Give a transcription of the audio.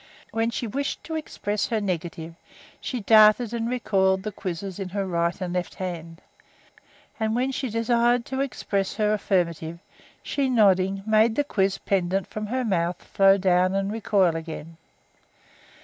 When she wished to express her negative, she darted and recoiled the quizzes in her right and left hand; and when she desired to express her affirmative, she, nodding, made the quiz pendent from her mouth flow down and recoil again.